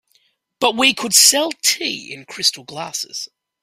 But we could sell tea in crystal glasses.